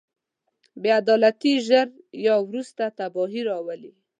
بې عدالتي ژر یا وروسته تباهي راولي.